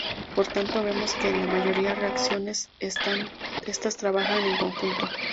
Por tanto vemos que en la mayoría de reacciones, estas trabajan en conjunto.